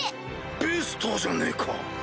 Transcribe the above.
ベスターじゃねえか！